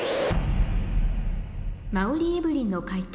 馬瓜エブリンの解答